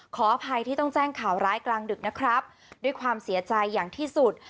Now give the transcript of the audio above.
ขออภัยที่ต้องแจ้งข่าวร้ายกลางดึกนะครับด้วยความเสียใจอย่างที่สุด